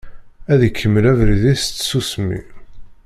Ad ikemmel abrid-is s tsusmi.